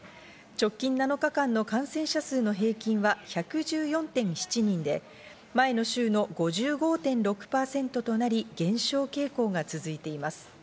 直近７日間の感染者数の平均は１１４．７人で、前の週の５５．６％となり、減少傾向が続いています。